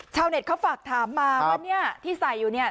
ชาวเน็ตเขาฝากถามมาว่าเนี่ยที่ใส่อยู่เนี่ย